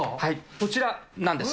こちらなんです。